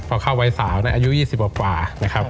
พอเข้าวัยสาวอายุ๒๐กว่านะครับ